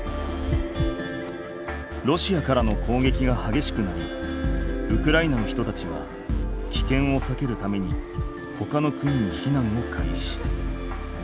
ロシアからの攻撃がはげしくなりウクライナの人たちはきけんをさけるためにほかの国に避難を開始。